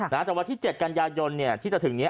นะแต่วันที่๗กันยายนต์เนี่ยที่จะถึงเนี้ย